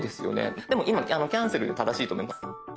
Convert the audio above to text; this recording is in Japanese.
でも今キャンセルで正しいと思います。